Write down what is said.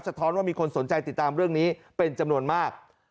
ท้อนว่ามีคนสนใจติดตามเรื่องนี้เป็นจำนวนมาก